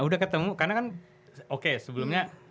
udah ketemu karena kan oke sebelumnya